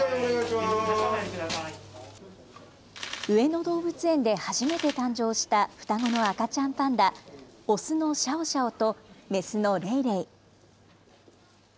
上野動物園で初めて誕生した双子の赤ちゃんパンダ、オスのシャオシャオとメスのレイレイ。